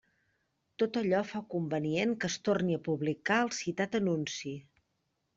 Tot allò fa convenient que es torne a publicar el citat anunci.